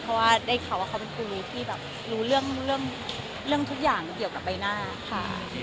เพราะว่าได้ข่าวว่าเขาเป็นครูที่แบบรู้เรื่องทุกอย่างเกี่ยวกับใบหน้าค่ะ